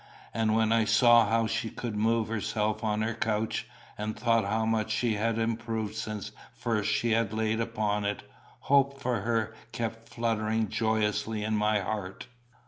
And when I saw how she could move herself on her couch, and thought how much she had improved since first she was laid upon it, hope for her kept fluttering joyously in my heart.